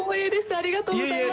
ありがとうございます。